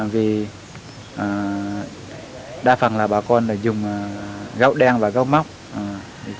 vì đa phần là bà con dùng gạo đen và gạo mốc